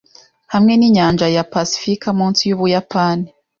hamwe n’inyanja ya pasifika munsi y’Ubuyapani